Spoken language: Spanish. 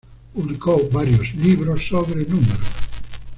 Publicó varios libros sobre números.